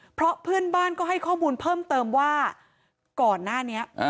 เพราะเพื่อนบ้านก็ให้ข้อมูลเพิ่มเติมว่าก่อนหน้านี้